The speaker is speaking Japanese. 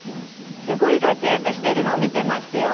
すごい活躍してるのを見てますよ。